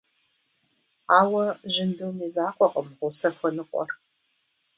Ауэ жьындум и закъуэкъым гъусэ хуэныкъуэр.